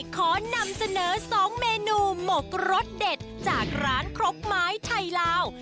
ขอนำเสนอ๒เมนูหมกรสเด็ดจากร้านครกไม้ไทยลาว